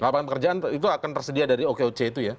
pada papan pekerjaan itu akan tersedia dari okeoce itu ya